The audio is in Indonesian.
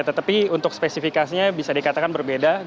tetapi untuk spesifikasinya bisa dikatakan berbeda